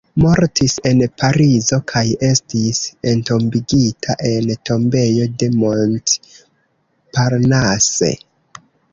Mortis en Parizo kaj estis entombigita en Tombejo de Montparnasse.